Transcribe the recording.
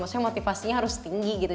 maksudnya motivasinya harus tinggi gitu